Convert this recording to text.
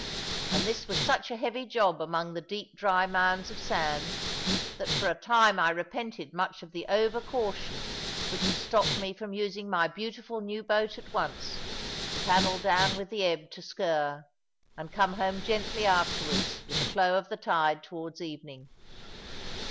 And this was such a heavy job among the deep dry mounds of sand, that for a time I repented much of the over caution which had stopped me from using my beautiful new boat at once, to paddle down with the ebb to Sker, and come home gently afterwards with the flow of the tide towards evening.